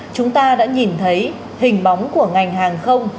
chúng ta đã nhìn thấy hình bóng của ngành hàng không